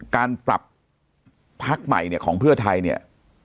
การพรับพรักใหม่ของเพื่อไทยเนี่ย